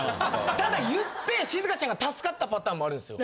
ただ言ってしずかちゃんが助かったパターンもあるんですよ。